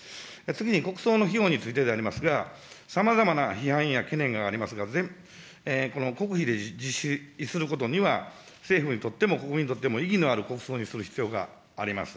次に国葬の費用についてでありますが、さまざまな批判や懸念がありますが、この国費で実施することには、政府にとっても、国民にとっても意義のある国葬にする必要があります。